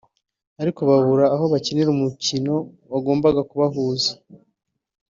ariko Babura aho bakinira umukino wagumbaga kubahuza